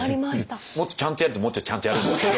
もっとちゃんとやるともうちょいちゃんとやるんですけど。